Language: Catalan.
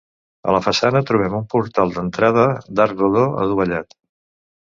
A la façana trobem un portal d'entrada, d'arc rodó adovellat.